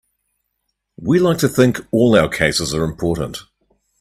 We like to think all our cases are important.